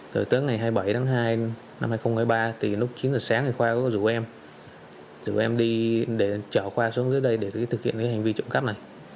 từ tớ ngày hai mươi bảy tháng hai năm hai nghìn một mươi ba thì lúc chín giờ sáng thì khoa có rủ em rủ em đi để chở khoa xuống dưới đây để thực hiện cái hành vi trộm cắp này